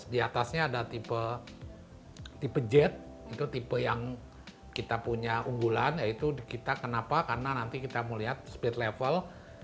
di atasnya ada tipe tipe jet itu tipe yang kita punya unggulan yaitu kita kenapa karena nanti kita mau lihat speed level